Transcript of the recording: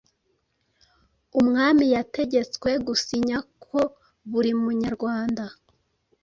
umwami yategetswe gusinya ko buri munyarwanda